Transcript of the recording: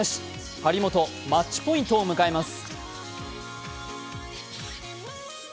張本、マッチポイントを迎えます。